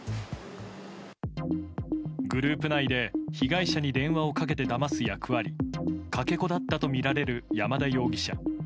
グループ内で被害者に電話をかけてだます役割かけ子だったとみられる山田容疑者。